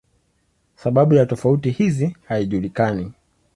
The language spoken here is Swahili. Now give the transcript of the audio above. Sababu ya tofauti hizi haijulikani.